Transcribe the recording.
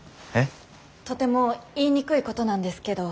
とても言いにくいことなんですけど。